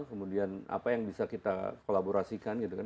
kemudian apa yang bisa kita kolaborasikan gitu kan